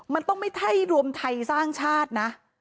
มันต้องไม่ใช่รวมไทยสร้างชาตินะ